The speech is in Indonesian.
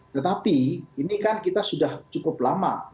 tetapi ini kan kita sudah cukup lama